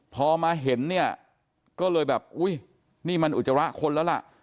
พอมาเห็นเนี่ยก็เลยแบบอุ้ยนี่มันอุจจาระคนแล้วล่ะ